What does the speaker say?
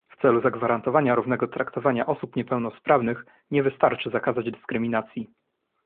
"W celu zagwarantowania równego traktowania osób niepełnosprawnych nie wystarczy zakazać dyskryminacji